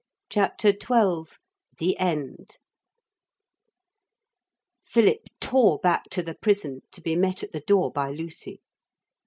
CHAPTER XII THE END Philip tore back to the prison, to be met at the door by Lucy.